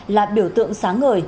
là biểu tượng sáng ngời